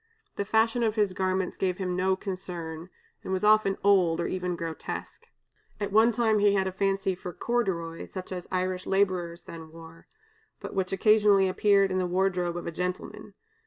The fashion of his garments gave him no concern, and was often old, or even grotesque. At one time he had a fancy for corduroy, such as Irish laborers then wore, but which occasionally appeared in the wardrobe of a gentleman.